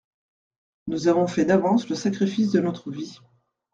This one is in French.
Nous avons fait d'avance le sacrifice de notre vie.